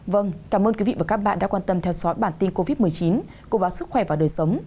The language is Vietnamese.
vâng cảm ơn quý vị và các bạn đã quan tâm theo dõi bản tin covid một mươi chín của báo sức khỏe và đời sống